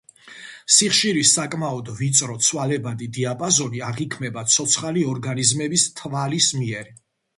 სიხშირის საკმაოდ ვიწრო, ცვალებადი დიაპაზონი აღიქმება ცოცხალი ორგანიზმების თვალის მიერ.